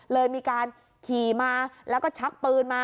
เลยมีการขี่มาแล้วก็ชักปืนมา